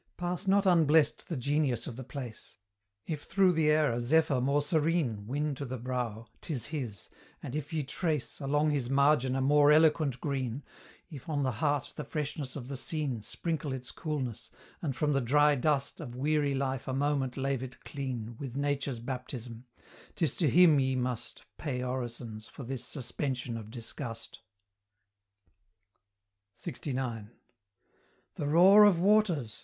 Pass not unblest the genius of the place! If through the air a zephyr more serene Win to the brow, 'tis his; and if ye trace Along his margin a more eloquent green, If on the heart the freshness of the scene Sprinkle its coolness, and from the dry dust Of weary life a moment lave it clean With Nature's baptism, 'tis to him ye must Pay orisons for this suspension of disgust. LXIX. The roar of waters!